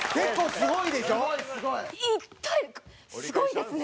すごいですね？